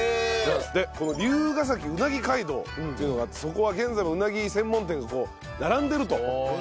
この龍ケ崎うなぎ街道というのがあってそこは現在もうなぎ専門店が並んでると。